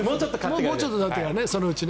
もうちょっとたってからそのうちね。